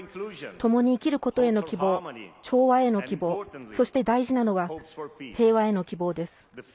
ともに生きることへの希望調和への希望、そして大事なのは平和への希望です。